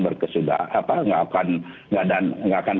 berkesudahan nggak akan